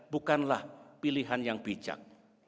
bukanlah pilihan yang bijak